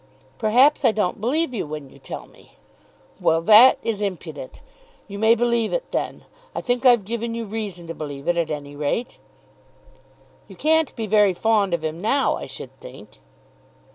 "Perhaps I don't believe you when you tell me." "Well; that is impudent! You may believe it then. I think I've given you reason to believe it, at any rate." "You can't be very fond of him now, I should think."